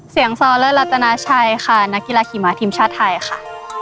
ซอเลอร์รัตนาชัยค่ะนักกีฬาขี่ม้าทีมชาติไทยค่ะ